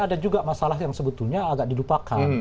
ada juga masalah yang sebetulnya agak dilupakan